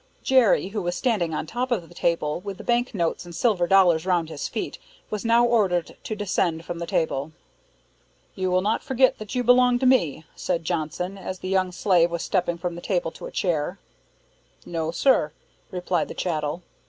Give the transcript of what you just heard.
Jerry, who was standing on top of the table, with the bank notes and silver dollars round his feet, was now ordered to descend from the table. "You will not forget that you belong to me," said Johnson, as the young slave was stepping from the table to a chair. "No, sir," replied the chattel.